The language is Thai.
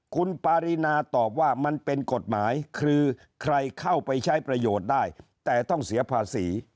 คุณปารีนาตอบว่ามันเป็นกฎหมายคือใครเข้าไปใช้ประโยชน์ได้แต่ต้องเสียภาษี